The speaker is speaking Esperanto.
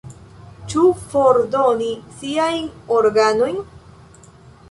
Ĉu fordoni siajn organojn?